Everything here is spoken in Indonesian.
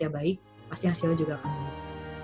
baik pasti hasilnya juga akan baik